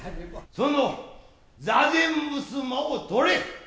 その座禅衾をとれ。